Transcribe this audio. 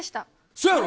そうやろ？